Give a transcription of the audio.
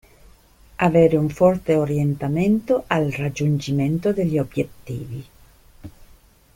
Avere un forte orientamento al raggiungimento degli obiettivi.